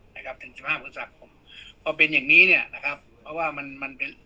นะครับถึงสิบห้าพฤษภาคมพอเป็นอย่างนี้เนี่ยนะครับเพราะว่ามันมันเป็น